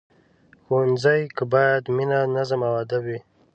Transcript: ښوونځی کې باید مینه، نظم او ادب وي